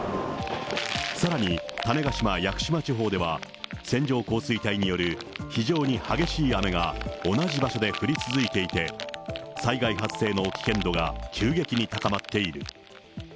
さらに種子島・屋久島地方では、線状降水帯による非常に激しい雨が同じ場所で降り続いていて、災害発生の危険度が急激に高まっている。